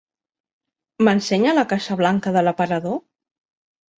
M'ensenya la caixa blanca de l'aparador?